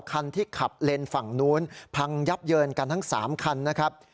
คันที่ขับเลนส์ฝั่งนู้นพังยับเยินกันทั้ง๓คันนะครับ